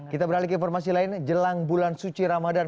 kita beralih ke informasi lain jelang bulan suci ramadan